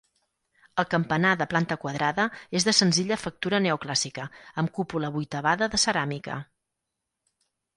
El campanar, de planta quadrada, és de senzilla factura neoclàssica, amb cúpula vuitavada de ceràmica.